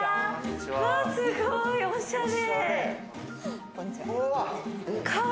わ、すごい！おしゃれ！